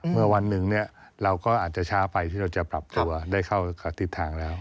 เมื่อวันหนึ่งเราก็อาจจะช้าไปที่เราจะปรับตัวได้เข้าทิศทางแล้ว